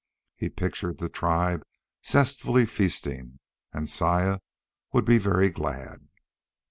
He pictured the tribe zestfully feasting. And Saya would be very glad.